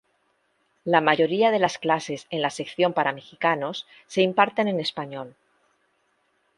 La mayoría de las clases en la sección para mexicanos se imparten en español.